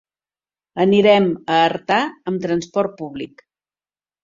Anirem a Artà amb transport públic.